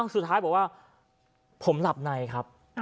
สุดท้ายบอกว่าผมหลับในครับ